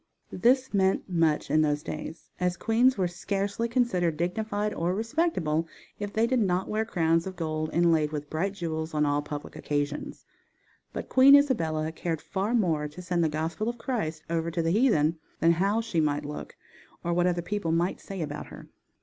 This meant much in those days, as queens were scarcely considered dignified or respectable if they did not wear crowns of gold inlaid with bright jewels on all public occasions, but Queen Isabella cared far more to send the gospel of Christ over to the heathen than how she might look, or what other people might say about her.